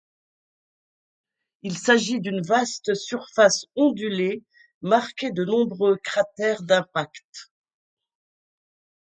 Il s'agit d'une vaste surface ondulée marquée de nombreux cratères d'impacts.